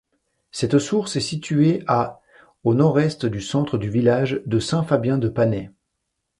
Cette source est située à au Nord-Est du centre du village de Saint-Fabien-de-Panet.